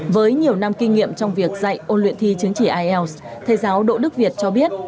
với nhiều năm kinh nghiệm trong việc dạy ôn luyện thi chứng chỉ ielts thầy giáo đỗ đức việt cho biết